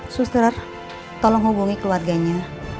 susterer tolong hubungi keluarganya